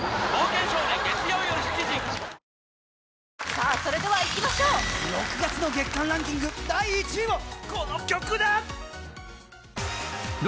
さあそれではいきましょう６月の月間ランキング第１位はこの曲だ！